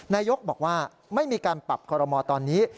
นายกบอกว่าไม่มีการปรับคอรมอลตอนนี้